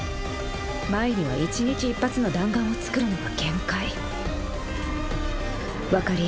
真依には１日１発の弾丸を作るのが限界。